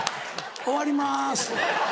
終わります。